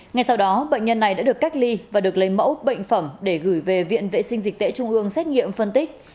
ngay sau đó bệnh nhân này đã được cách ly và được lấy mẫu bệnh phẩm để gửi về viện vệ sinh dịch tễ trung ương xét nghiệm phân tích